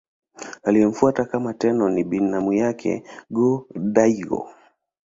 Aliyemfuata kama Tenno ni binamu yake Go-Daigo.